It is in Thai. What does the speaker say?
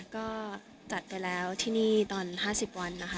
ก็จัดไปแล้วที่นี่ตอน๕๐วันนะคะ